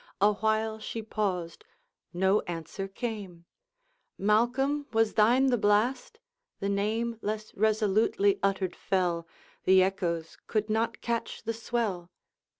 Awhile she paused, no answer came; 'Malcolm, was thine the blast?' the name Less resolutely uttered fell, The echoes could not catch the swell.